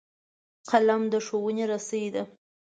قلم د ښوونې رسۍ ده